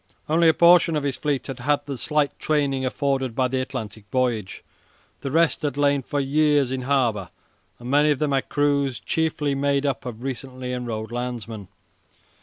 Only a portion of his fleet had had the slight training afforded by the Atlantic voyage. The rest had lain for years in harbour, and many of them had crews chiefly made up of recently enrolled landsmen.